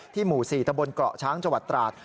ที่หมู่๔ทะบลเกาะช้างจวัตรตราจ